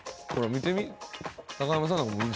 見てみ？